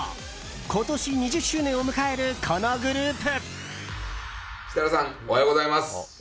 今年、２０周年を迎えるこのグループ。